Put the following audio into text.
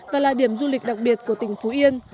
và là điểm du lịch đặc biệt của tỉnh phú yên